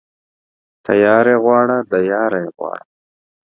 تياره يې غواړه ، د ياره يې غواړه.